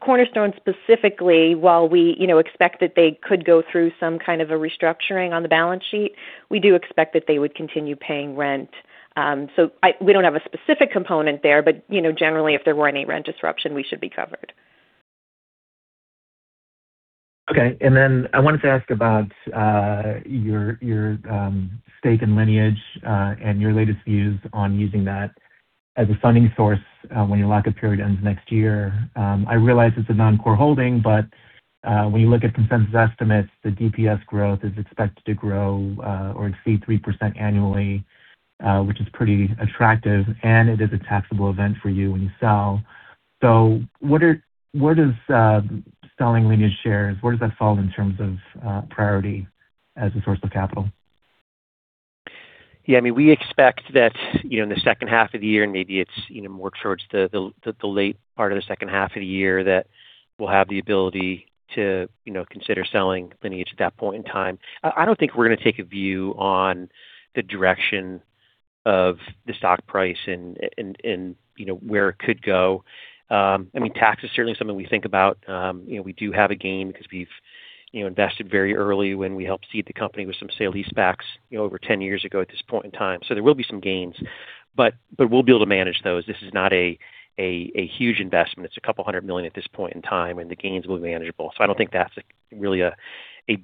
Cornerstone specifically, while we expect that they could go through some kind of a restructuring on the balance sheet, we do expect that they would continue paying rent. We don't have a specific component there, but generally, if there were any rent disruption, we should be covered. Okay. Then I wanted to ask about your stake in Lineage and your latest views on using that as a funding source when your lock-up period ends next year. I realize it's a non-core holding, but when you look at consensus estimates, the DPS growth is expected to grow or exceed 3% annually, which is pretty attractive, and it is a taxable event for you when you sell. Where does selling Lineage shares fall in terms of priority as a source of capital? We expect that in the second half of the year, and maybe it's more towards the late part of the second half of the year, that we'll have the ability to consider selling Lineage at that point in time. I don't think we're going to take a view on the direction of the stock price and where it could go. Tax is certainly something we think about. We do have a gain because we've invested very early when we helped seed the company with some sale leasebacks over 10 years ago at this point in time. There will be some gains, but we'll be able to manage those. This is not a huge investment. It's a couple hundred million at this point in time, and the gains will be manageable. I don't think that's really a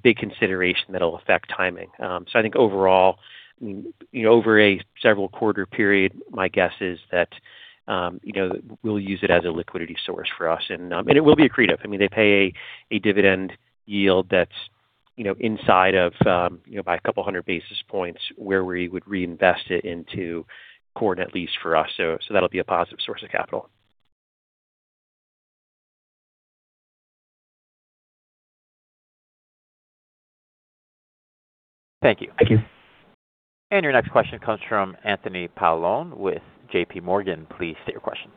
big consideration that'll affect timing. I think overall, over a several quarter period, my guess is that we'll use it as a liquidity source for us, and it will be accretive. They pay a dividend yield that's inside of by a couple of hundred basis points where we would reinvest it into core net lease for us. That'll be a positive source of capital. Thank you. Your next question comes from Anthony Paolone with JPMorgan. Please state your question.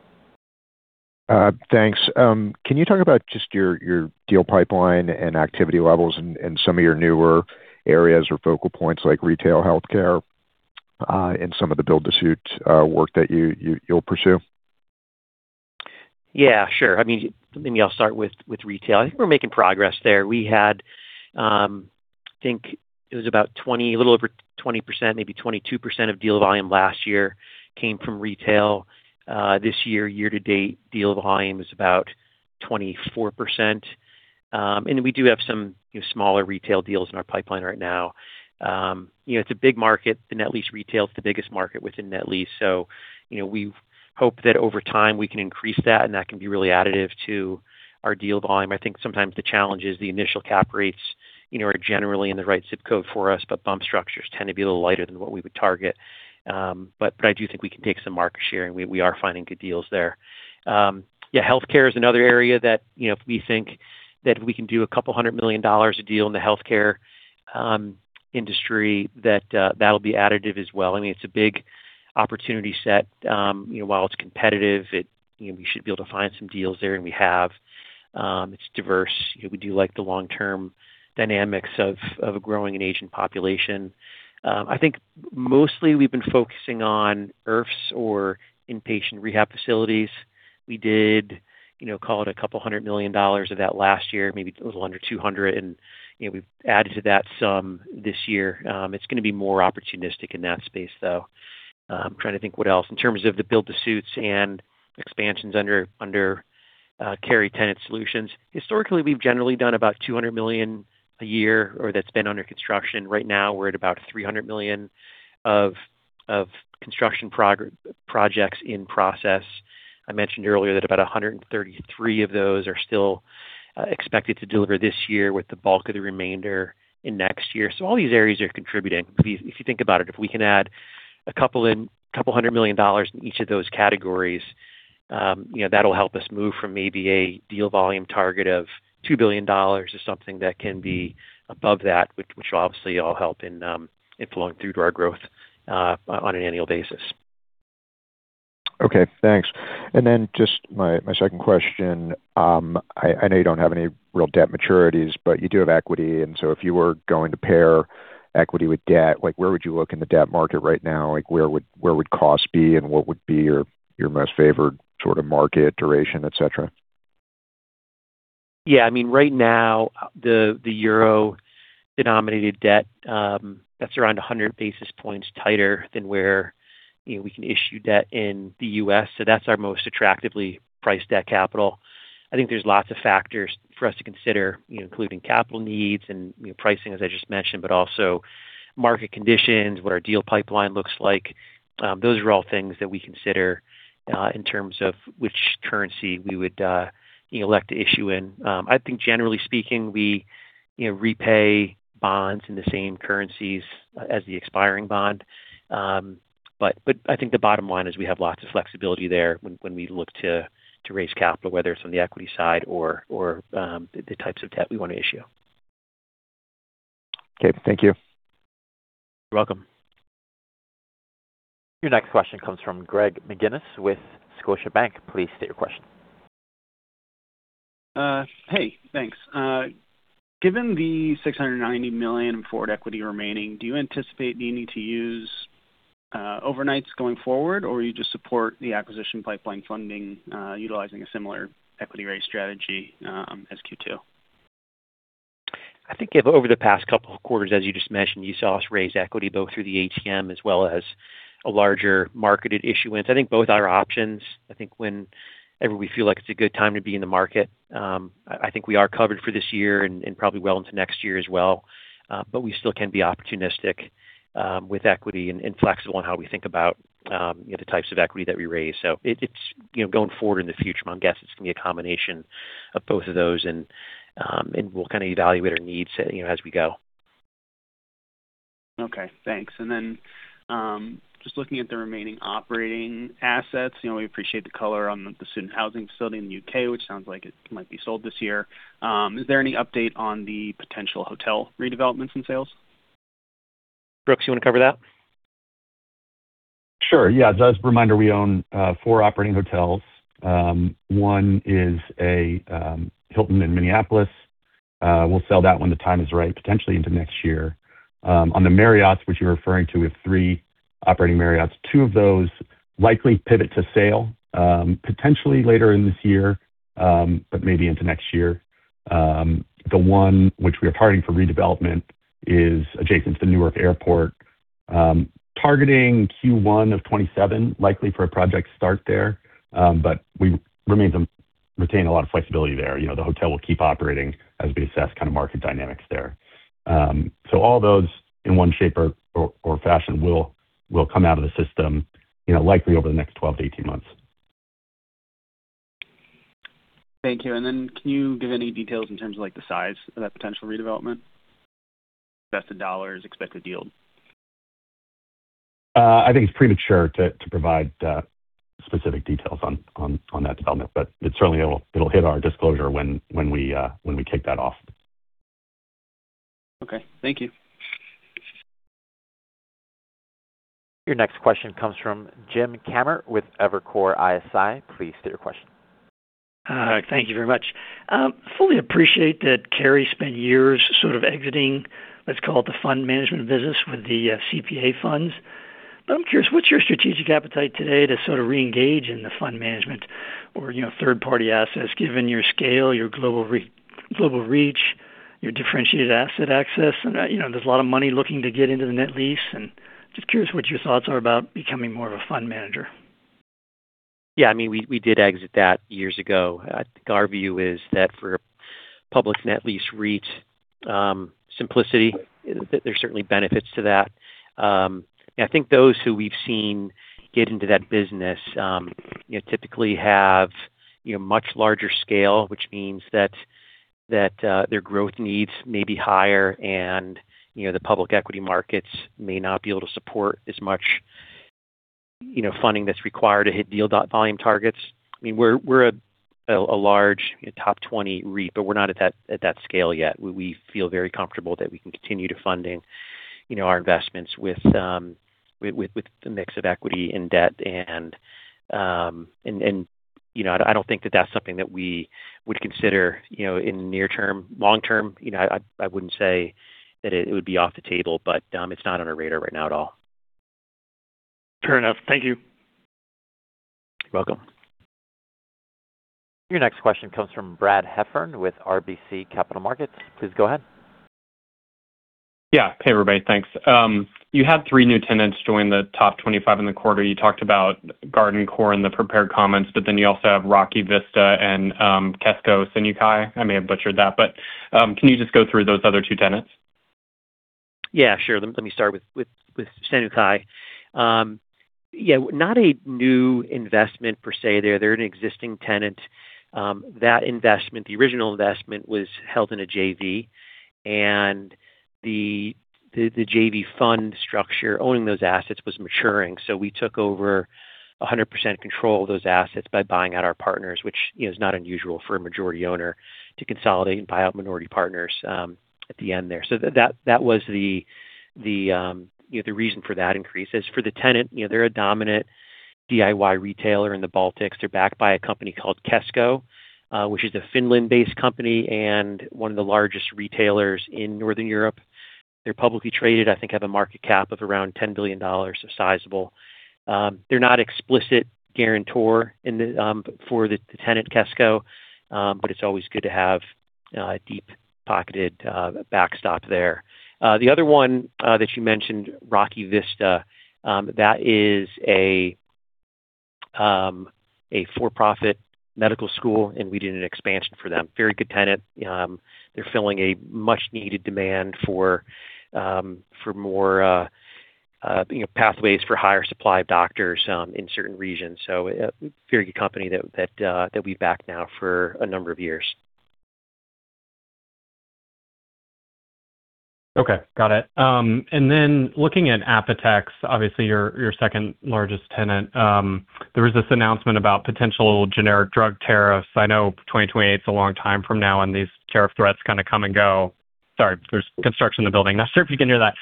Thanks. Can you talk about just your deal pipeline and activity levels in some of your newer areas or focal points like retail healthcare? In some of the build-to-suit work that you'll pursue. Yeah, sure. Maybe I'll start with retail. I think we're making progress there. We had, I think it was a little over 20%, maybe 22% of deal volume last year came from retail. This year to date, deal volume is about 24%. We do have some smaller retail deals in our pipeline right now. It's a big market. The net lease retail is the biggest market within net lease. We hope that over time we can increase that, and that can be really additive to our deal volume. I think sometimes the challenge is the initial cap rates are generally in the right zip code for us, but bump structures tend to be a little lighter than what we would target. I do think we can take some market share, and we are finding good deals there. Yeah, healthcare is another area that we think that we can do about $200 million a deal in the healthcare industry, that'll be additive as well. It's a big opportunity set. While it's competitive, we should be able to find some deals there, and we have. It's diverse. We do like the long-term dynamics of a growing and aging population. I think mostly we've been focusing on IRFs or inpatient rehab facilities. We did call it about $200 million of that last year, maybe it was a little under 200, and we've added to that some this year. It's going to be more opportunistic in that space, though. I'm trying to think what else. In terms of the build-to-suits and expansions under Carey Tenant Solutions. Historically, we've generally done about $200 million a year or that's been under construction. Right now we're at about $300 million of construction projects in process. I mentioned earlier that about 133 of those are still expected to deliver this year with the bulk of the remainder in next year. All these areas are contributing. If you think about it, if we can add a couple hundred million dollars in each of those categories, that'll help us move from maybe a deal volume target of $2 billion or something that can be above that, which will obviously all help in flowing through to our growth on an annual basis. Okay, thanks. Just my second question. I know you don't have any real debt maturities, but you do have equity. If you were going to pair equity with debt, where would you look in the debt market right now? Where would costs be, and what would be your most favored sort of market duration, et cetera? Yeah. Right now, the euro-denominated debt, that's around 100 basis points tighter than where we can issue debt in the U.S. That's our most attractively priced debt capital. I think there's lots of factors for us to consider, including capital needs and pricing, as I just mentioned, but also market conditions, what our deal pipeline looks like. Those are all things that we consider in terms of which currency we would elect to issue in. I think generally speaking, we repay bonds in the same currencies as the expiring bond. I think the bottom line is we have lots of flexibility there when we look to raise capital, whether it's on the equity side or the types of debt we want to issue. Okay. Thank you. You're welcome. Your next question comes from Greg McGinniss with Scotiabank. Please state your question. Hey, thanks. Given the $690 million forward equity remaining, do you anticipate needing to use overnights going forward, or you just support the acquisition pipeline funding utilizing a similar equity raise strategy as Q2? I think over the past couple of quarters, as you just mentioned, you saw us raise equity both through the ATM as well as a larger marketed issuance. I think both are options. I think when everybody feel like it's a good time to be in the market. I think we are covered for this year and probably well into next year as well. We still can be opportunistic with equity and flexible on how we think about the types of equity that we raise. Going forward in the future, my guess it's going to be a combination of both of those, and we'll kind of evaluate our needs as we go. Okay, thanks. Just looking at the remaining operating assets, we appreciate the color on the student housing facility in the U.K., which sounds like it might be sold this year. Is there any update on the potential hotel redevelopments and sales? Brooks, you want to cover that? Sure. Yeah. As a reminder, we own four operating hotels. One is a Hilton in Minneapolis. We will sell that when the time is right, potentially into next year. On the Marriotts, which you are referring to, we have three operating Marriotts. Two of those likely pivot to sale potentially later in this year but maybe into next year. The one which we are targeting for redevelopment is adjacent to the Newark Airport. Targeting Q1 of 2027 likely for a project start there, but we retain a lot of flexibility there. The hotel will keep operating as we assess kind of market dynamics there. All those in one shape or fashion will come out of the system likely over the next 12 months-18 months. Thank you. Can you give any details in terms of the size of that potential redevelopment? Invested dollars, expected yield. I think it's premature to provide specific details on that development. It certainly it'll hit our disclosure when we kick that off. Okay. Thank you. Your next question comes from James Kammert with Evercore ISI. Please state your question. Thank you very much. Fully appreciate that Carey spent years sort of exiting, let's call it the fund management business with the CPA funds. I'm curious, what's your strategic appetite today to sort of reengage in the fund management or third-party assets, given your scale, your global reach, your differentiated asset access? There's a lot of money looking to get into the net lease, and just curious what your thoughts are about becoming more of a fund manager. Yeah, we did exit that years ago. Our view is that for public net lease REIT simplicity, there's certainly benefits to that. I think those who we've seen get into that business typically have much larger scale, which means that their growth needs may be higher and the public equity markets may not be able to support as much funding that's required to hit deal volume targets. We're a large top 20 REIT, but we're not at that scale yet. We feel very comfortable that we can continue to funding our investments with the mix of equity and debt, and I don't think that that's something that we would consider in near term. Long term, I wouldn't say that it would be off the table, but it's not on our radar right now at all. Fair enough. Thank you. You're welcome. Your next question comes from Brad Heffern with RBC Capital Markets. Please go ahead. Yeah. Hey, everybody. Thanks. You had three new tenants join the top 25 in the quarter. You talked about GardenCore in the prepared comments. You also have Rocky Vista and Kesko Senukai. I may have butchered that. Can you just go through those other two tenants? Yeah, sure. Let me start with Senukai. Not a new investment per se. They're an existing tenant. That investment, the original investment, was held in a JV. The JV fund structure owning those assets was maturing. We took over 100% control of those assets by buying out our partners, which is not unusual for a majority owner to consolidate and buy out minority partners at the end there. That was the reason for that increase. As for the tenant, they're a dominant DIY retailer in the Baltics. They're backed by a company called Kesko, which is a Finland-based company and one of the largest retailers in Northern Europe. They're publicly traded, I think have a market cap of around $10 billion, sizable. They're not explicit guarantor for the tenant, Kesko. It's always good to have a deep-pocketed backstop there. The other one that you mentioned, Rocky Vista, that is a for-profit medical school. We did an expansion for them. Very good tenant. They're filling a much needed demand for more pathways for higher supply of doctors in certain regions. Very good company that we've backed now for a number of years. Okay. Got it. Looking at Apotex, obviously your second largest tenant. There was this announcement about potential generic drug tariffs. I know 2028 is a long time from now. These tariff threats kind of come and go. Sorry, there's construction in the building. Not sure if you can hear that.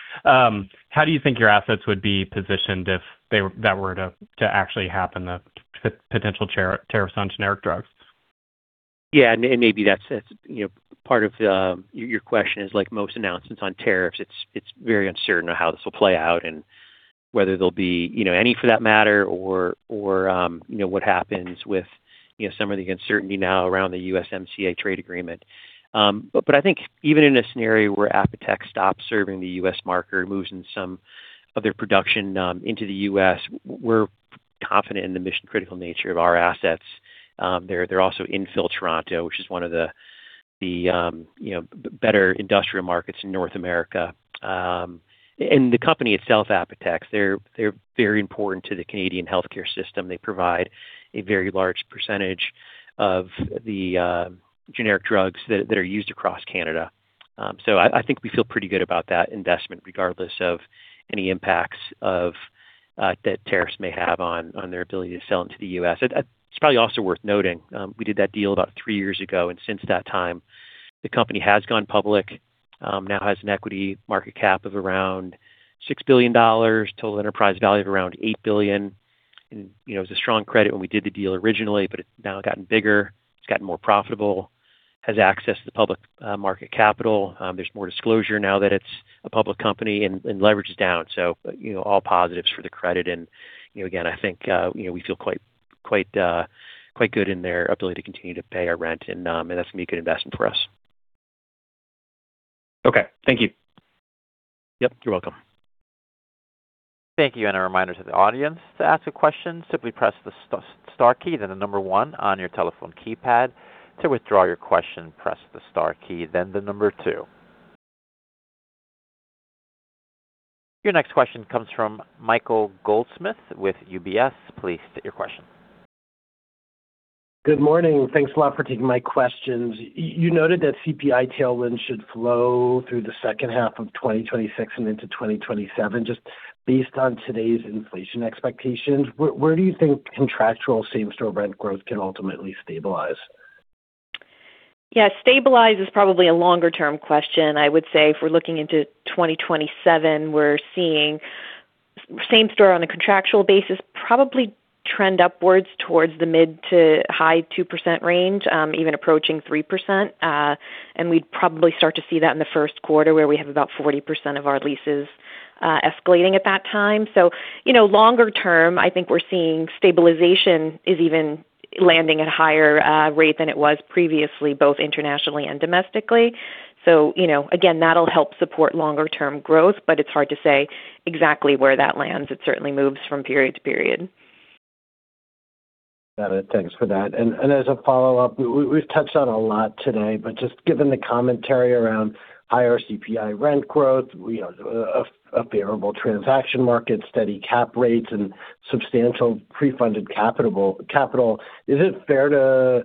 How do you think your assets would be positioned if that were to actually happen, the potential tariffs on generic drugs? Yeah, maybe that's part of your question, like most announcements on tariffs, it's very uncertain on how this will play out and whether there will be any for that matter or what happens with some of the uncertainty now around the United States-Mexico-Canada Agreement. I think even in a scenario where Apotex stops serving the U.S. market or moves in some of their production into the U.S., we're confident in the mission-critical nature of our assets. They're also infill Toronto, which is one of the better industrial markets in North America. The company itself, Apotex, they're very important to the Canadian healthcare system. They provide a very large percentage of the generic drugs that are used across Canada. I think we feel pretty good about that investment regardless of any impacts that tariffs may have on their ability to sell into the U.S. It's probably also worth noting, we did that deal about three years ago, and since that time, the company has gone public. Now has an equity market cap of around $6 billion, total enterprise value of around $8 billion. It was a strong credit when we did the deal originally, but it's now gotten bigger. It's gotten more profitable, has access to the public market capital. There's more disclosure now that it's a public company, and leverage is down. All positives for the credit. Again, I think we feel quite good in their ability to continue to pay our rent, and that's going to be a good investment for us. Okay. Thank you. Yep. You're welcome. Thank you. A reminder to the audience, to ask a question, simply press the star key, then the number one on your telephone keypad. To withdraw your question, press the star key, then the number two. Your next question comes from Michael Goldsmith with UBS. Please state your question. Good morning. Thanks a lot for taking my questions. You noted that CPI tailwinds should flow through the second half of 2026 and into 2027. Just based on today's inflation expectations, where do you think contractual same-store rent growth can ultimately stabilize? Stabilize is probably a longer-term question. I would say if we're looking into 2027, we're seeing same-store on a contractual basis, probably trend upwards towards the mid to high 2% range, even approaching 3%. We'd probably start to see that in the first quarter, where we have about 40% of our leases escalating at that time. Longer term, I think we're seeing stabilization is even landing at a higher rate than it was previously, both internationally and domestically. Again, that'll help support longer-term growth, but it's hard to say exactly where that lands. It certainly moves from period to period. Got it. Thanks for that. As a follow-up, we've touched on a lot today, but just given the commentary around higher CPI rent growth, a favorable transaction market, steady cap rates, and substantial pre-funded capital, is it fair to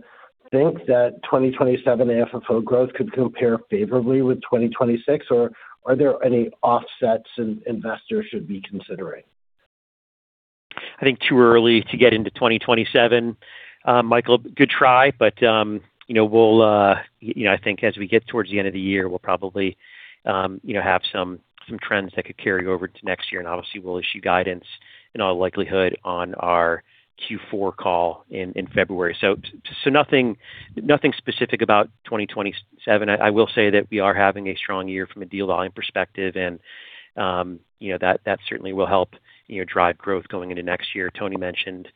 think that 2027 AFFO growth could compare favorably with 2026? Are there any offsets investors should be considering? I think too early to get into 2027, Michael. Good try. I think as we get towards the end of the year, we'll probably have some trends that could carry over to next year, and obviously we'll issue guidance in all likelihood on our Q4 call in February. Nothing specific about 2027. I will say that we are having a strong year from a deal volume perspective, and that certainly will help drive growth going into next year. Toni mentioned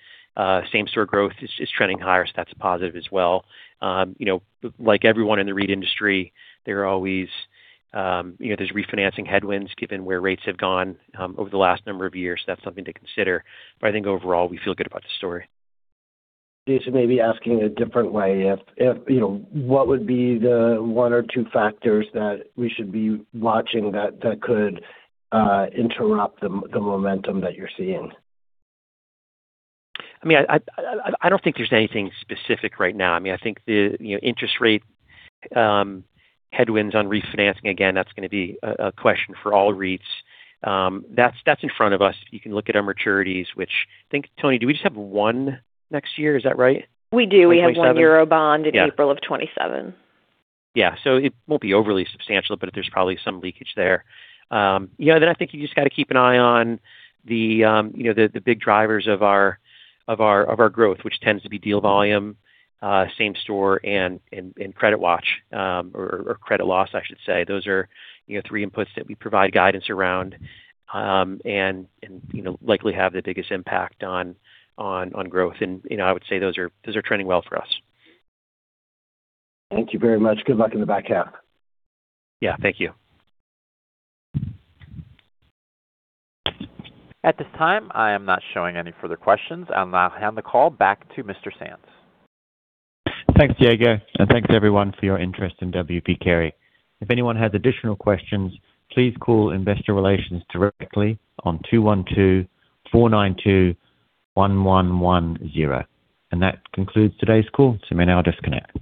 same-store rent growth is trending higher, that's a positive as well. Like everyone in the REIT industry, there's refinancing headwinds given where rates have gone over the last number of years, that's something to consider. I think overall, we feel good about the story. Jason, maybe asking a different way. What would be the one or two factors that we should be watching that could interrupt the momentum that you're seeing? I don't think there's anything specific right now. I think the interest rate headwinds on refinancing, again, that's going to be a question for all REITs. That's in front of us. You can look at our maturities, which I think, Toni, do we just have one next year? Is that right? We do. We have one euro bond in April of 2027. Yeah. It won't be overly substantial, but there's probably some leakage there. I think you just got to keep an eye on the big drivers of our growth, which tends to be deal volume, same-store and CreditWatch, or credit loss, I should say. Those are three inputs that we provide guidance around, and likely have the biggest impact on growth. I would say those are trending well for us. Thank you very much. Good luck in the back half. Yeah. Thank you. At this time, I am not showing any further questions. I'll now hand the call back to Mr. Sands. Thanks, Diego, and thanks everyone for your interest in W. P. Carey. If anyone has additional questions, please call investor relations directly on 212-492-1110. That concludes today's call. You may now disconnect.